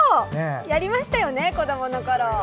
やりましたよね子どものころ。